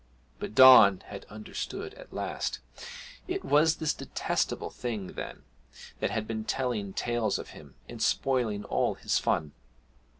But Don had understood at last. It was this detestable thing, then, that had been telling tales of him and spoiling all his fun!